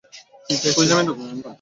কী চায় সে?